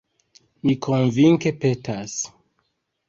Mi konvinke petas.